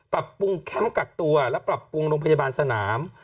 ปรับปรุงแคมป์กักตัวและปรับปรุงโรงพยาบาลสนาม